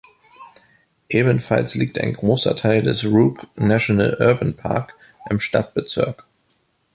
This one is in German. Ebenfalls liegt ein großer Teil des Rouge National Urban Park im Stadtbezirk.